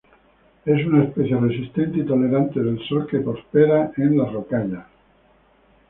Es una especie resistente y tolerante del sol que prospera en las rocallas.